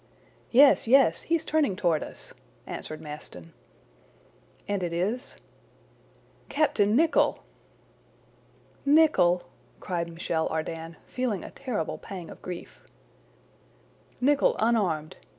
"Yes! yes! He is turning toward us," answered Maston. "And it is?" "Captain Nicholl!" "Nicholl?" cried Michel Ardan, feeling a terrible pang of grief. "Nicholl unarmed!